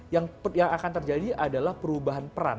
yang akan terjadi adalah perubahan peran